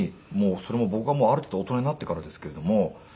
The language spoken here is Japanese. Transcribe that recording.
それも僕がある程度大人になってからですけれども。